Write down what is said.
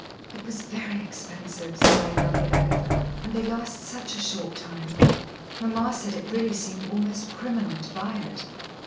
"It was very expensive," sighed lovely Agatha. "And they last such a short time. Mamma said it really seemed almost criminal to buy it."